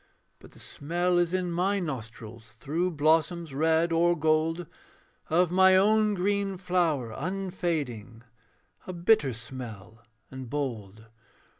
But the smell is in my nostrils, Through blossoms red or gold, Of my own green flower unfading, A bitter smell and bold.